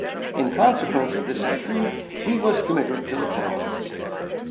In consequence of this intrigue, he was committed to the Tower.